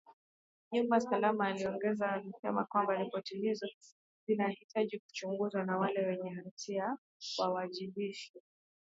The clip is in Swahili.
nyumba salama aliongeza akisema kwamba ripoti hizo zinahitaji kuchunguzwa na wale wenye hatia wawajibishwe